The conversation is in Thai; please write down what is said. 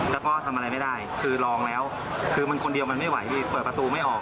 แล้วก็ทำอะไรไม่ได้คือลองแล้วคือมันคนเดียวมันไม่ไหวพี่